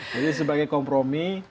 jadi sebagai kompromi